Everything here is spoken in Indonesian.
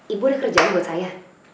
ibu ada kerjaan buat saya